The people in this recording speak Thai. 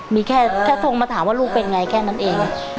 มีแค่โทรมาถามว่าลูกเป็นไงแค่นั้นเอง